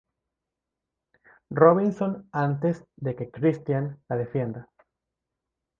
Robinson antes de que Christian la defienda.